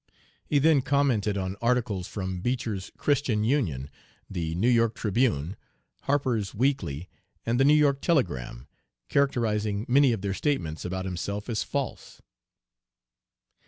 "He then commented on articles from Beecher's Christian Union, the New York Tribune, Harper's Weekly, and the New York Telegram, characterizing many of their statements about himself as false.